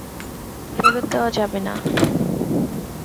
ফেরত দেওয়া যাবে না।